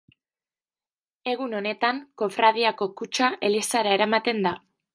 Egun honetan Kofradiako kutxa elizara eramaten da.